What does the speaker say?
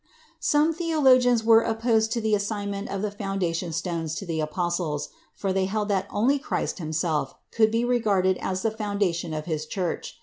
Some theologians were opposed to the assignment of the foundation stones to the apostles, for they held that only Christ himself could be regarded as the foundation of his Church.